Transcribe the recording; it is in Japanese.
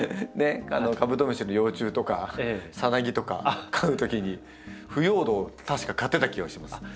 カブトムシの幼虫とかサナギとか飼うときに腐葉土を確か買ってた気がします。